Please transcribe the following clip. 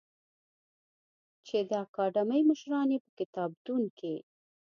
چې د اکاډمۍ مشران یې په کتابتون کې